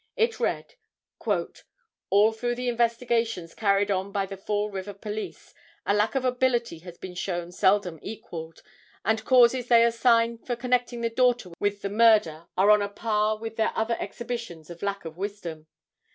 It read: "All through the investigations carried on by the Fall River police, a lack of ability has been shown seldom equalled, and causes they assign for connecting the daughter with the murder are on a par with their other exhibitions of lack of wisdom.